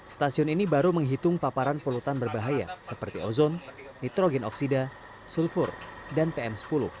stasiun ini baru menghitung paparan polutan berbahaya seperti ozon nitrogen oksida sulfur dan pm sepuluh